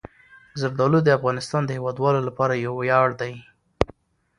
زردالو د افغانستان د هیوادوالو لپاره یو ویاړ دی.